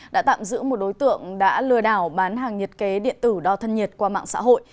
đã tạm giữ một đối tượng đã lừa đảo bán hàng nhiệt kế điện tử đo thân nhiệt qua mạng xã hội